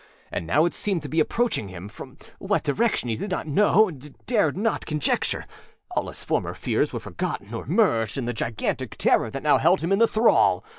And now it seemed to be approaching him; from what direction he did not knowâdared not conjecture. All his former fears were forgotten or merged in the gigantic terror that now held him in thrall.